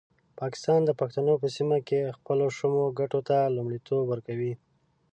پاکستان د پښتنو په سیمه کې خپلو شومو ګټو ته لومړیتوب ورکوي.